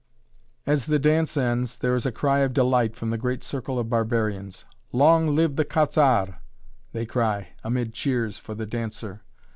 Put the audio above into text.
As the dance ends, there is a cry of delight from the great circle of barbarians. "Long live the Quat'z' Arts!" they cry, amid cheers for the dancer.